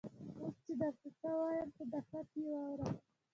اوس چې درته څه وایم په دقت یې واوره.